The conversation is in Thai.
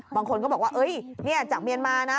บางคนก็บอกว่าเฮ้ยเนี่ยจากเมียนมานะ